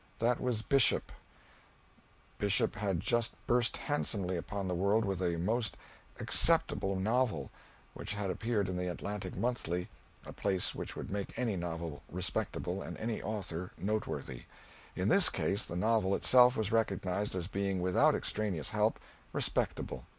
That was Bishop Bishop had just burst handsomely upon the world with a most acceptable novel, which had appeared in the "Atlantic Monthly," a place which would make any novel respectable and any author noteworthy. In this case the novel itself was recognized as being, without extraneous help, respectable.